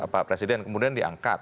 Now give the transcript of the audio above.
pak presiden kemudian diangkat